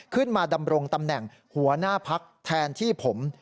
ขึ้นมาดำรงตำแหน่งหัวหน้าพักแทนที่ผม